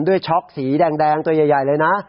ช็อกสีแดงตัวใหญ่เลยนะ